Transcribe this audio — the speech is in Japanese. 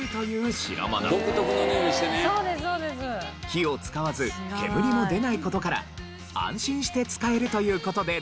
火を使わず煙も出ない事から安心して使えるという事で大ヒット。